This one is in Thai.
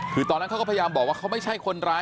คือตอนนั้นเขาก็พยายามบอกว่าเขาไม่ใช่คนร้าย